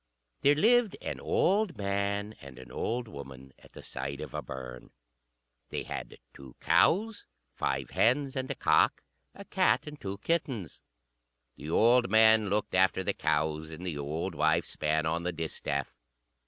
"_ There lived an old man and an old woman at the side of a burn. They had two cows, five hens, and a cock, a cat and two kittens. The old man looked after the cows, and the old wife span on the distaff.